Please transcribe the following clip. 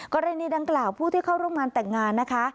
กรณีดังกล่าวผู้ที่เข้าร่วมงานแต่งงานนะคะ